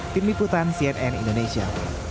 tim liputan cnn indonesia